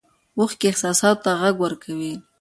اوښکې احساساتو ته غږ ورکوي.